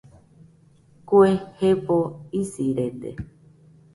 Kue jefo isirede